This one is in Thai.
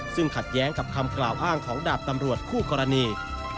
ซึ่งขัดแย้งกับคำกล่าวอ้างของดาบตำรวจคู่กรณี